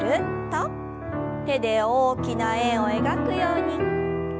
手で大きな円を描くように。